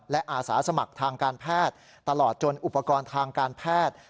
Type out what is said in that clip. และอาสาสมัครทางการแพทย์ตลอดจนอุปกรณ์ทางการแพทย์